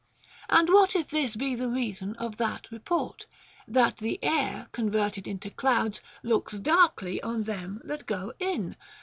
And what if this be the reason of that report, that the air converted into clouds looks darkly on them that go in